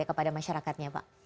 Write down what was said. kepada masyarakatnya pak